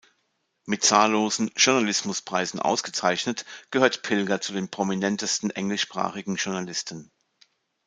Mit zahllosen Journalismus-Preisen ausgezeichnet, gehört Pilger zu den prominentesten englischsprachigen Journalisten.